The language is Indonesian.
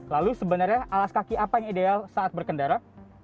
lalu sebenarnya alas kaki apa yang ideal saat berkendara